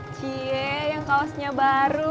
ciee yang kausnya baru